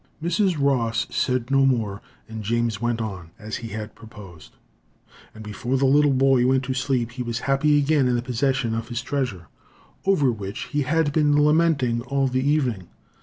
Mrs. Ross said no more, and James went on, as he had proposed; and before the little boy went to sleep, he was happy again in the possession of his treasure, over which he had been lamenting all the evening.